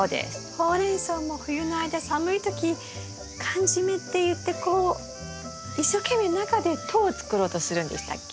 ホウレンソウも冬の間寒い時寒じめっていってこう一生懸命中で糖を作ろうとするんでしたっけ？